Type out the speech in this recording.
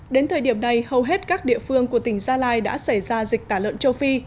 đến thời điểm này hầu hết các địa phương của tỉnh gia lai đã xảy ra dịch tả lợn châu phi